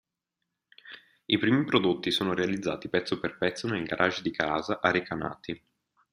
I primi prodotti sono realizzati pezzo per pezzo nel garage di casa, a Recanati.